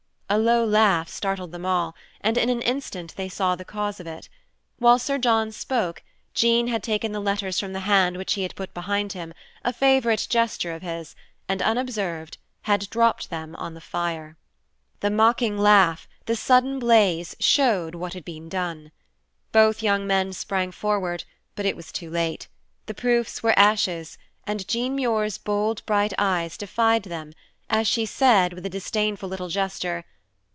A low laugh startled them all, and in an instant they saw the cause of it. While Sir John spoke, Jean had taken the letters from the hand which he had put behind him, a favorite gesture of his, and, unobserved, had dropped them on the fire. The mocking laugh, the sudden blaze, showed what had been done. Both young men sprang forward, but it was too late; the proofs were ashes, and Jean Muir's bold, bright eyes defied them, as she said, with a disdainful little gesture.